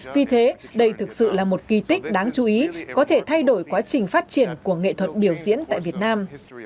vì thế đây thực sự là một kỳ tích đáng chú ý có thể thay đổi quá trình phát triển của nghệ thuật biểu diễn tại việt nam